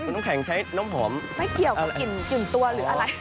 คุณน้ำแข็งใช้น้ำหอมไม่เกี่ยวกับกลิ่นตัวหรืออะไร